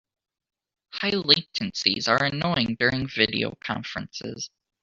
High latencies are annoying during video conferences.